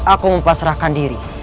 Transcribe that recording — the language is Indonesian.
aku mempasrahkan diri